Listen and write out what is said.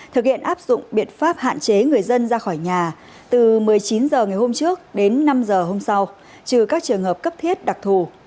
thực hiện áp dụng biện pháp hạn chế người dân ra khỏi nhà từ một mươi chín h ngày hôm trước đến năm h hôm sau trừ các trường hợp cấp thiết đặc thù